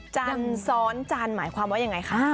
จันทร์ซ้อนจันทร์หมายความว่ายังไงคะ